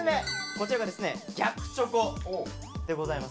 こちらがですね逆チョコでございます。